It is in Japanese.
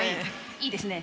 いいですね。